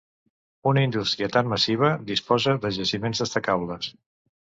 Una indústria tan massiva disposa de jaciments destacables.